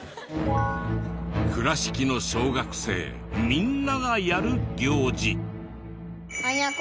倉敷の小学生みんながやる行事。